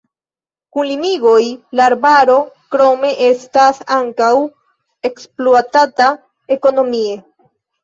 Kun limigoj la arbaro krome estas ankaŭ ekspluatata ekonomie.